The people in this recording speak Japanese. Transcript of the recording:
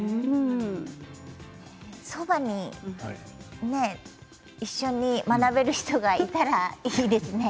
そばに一緒に学べる人がいたらいいですね。